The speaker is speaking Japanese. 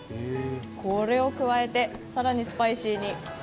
これを加えて更にスパイシーに。